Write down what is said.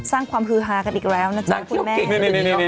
สร้างความพื้อฮากันอีกแล้วนะจ๊ะคุณแม่น่าเกี่ยวนี่